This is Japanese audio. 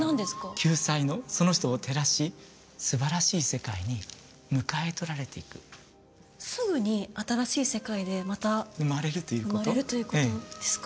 救済のその人を照らしすばらしい世界に迎え取られていくすぐに新しい世界でまた生まれるということですか？